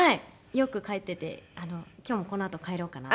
よく帰ってて今日もこのあと帰ろうかなと。